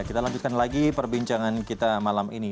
kita lanjutkan lagi perbincangan kita malam ini